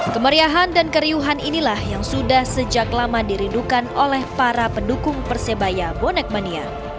kemeriahan dan keriuhan inilah yang sudah sejak lama dirindukan oleh para pendukung persebaya bonek mania